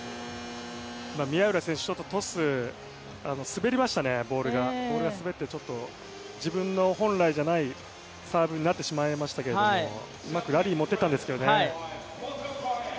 宮浦選手、トス、ボールが滑ってちょっと自分の本来じゃないサーブになってしまいましたけれどもうまくラリーに持っていったんですけどね。